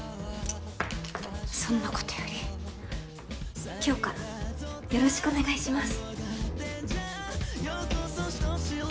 そんなことより今日からよろしくお願いします。